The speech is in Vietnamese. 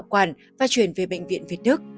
quản và chuyển về bệnh viện việt đức